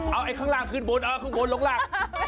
เอาไอ้ข้างล่างขึ้นบนเอาข้างบนลงล่าง